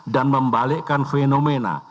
dan membalikkan fenomena